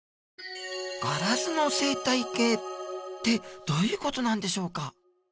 ガラスの生態系ってどういう事なんでしょうか？